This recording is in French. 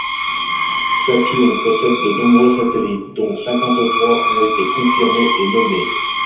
Saturne possède de nombreux satellites, dont cinquante-trois ont été confirmés et nommés.